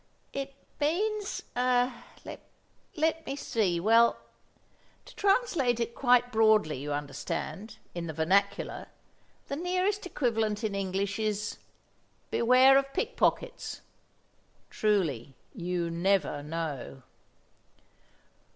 "It means—er—let me see—well—to translate it quite broadly, you understand, in the vernacular, the nearest equivalent in English is 'Beware of Pickpockets.'" Truly, you never know!